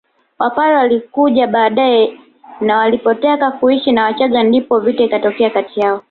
Wapare walikuja baade na walipotaka kuishi na wachaga ndipo vita ikatokea kati yao